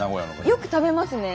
よく食べますね。